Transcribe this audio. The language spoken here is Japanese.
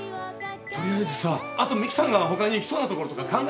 取りあえずさあと美樹さんが他に行きそうなところとか考えよっ。